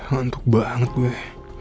lantuk banget gue